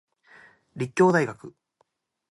立教大学